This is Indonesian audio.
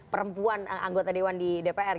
perempuan anggota dewan di dpr